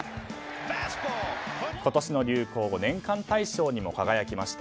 今年の流行語年間対象にも輝きました